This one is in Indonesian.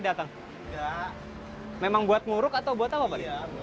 ini untuk menguruk atau apa